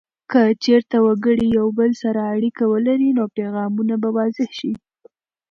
که چیرته وګړي یو بل سره اړیکه ولري، نو پیغامونه به واضح سي.